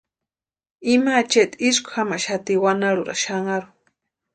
Ima acheeti isku jamaxati wanarhurani xanharhu.